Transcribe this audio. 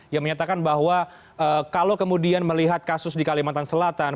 yang menyatakan bahwa kalau kemudian melihat kasus di kalimantan selatan